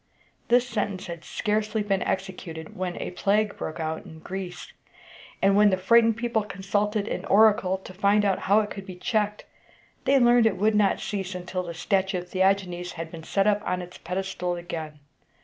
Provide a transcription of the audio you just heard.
This sentence had scarcely been executed, when a plague broke out in Greece; and when the frightened people consulted an oracle to find out how it could be checked, they learned that it would not cease until the statue of Theagenes had been set up on its pedestal again.